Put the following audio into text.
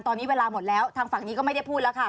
ตอนนี้เวลาหมดแล้วทางฝั่งนี้ก็ไม่ได้พูดแล้วค่ะ